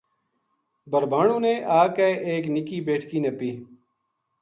بھربھانو نے آ کے ا یک نِکی بیٹکی نَپی